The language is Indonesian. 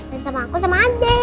main sama aku sama ade